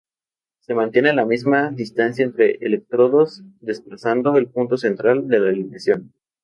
Se mantiene la misma distancia entre electrodos, desplazando el punto central de la alineación.